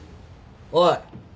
おい！